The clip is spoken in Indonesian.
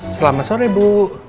selamat sore bu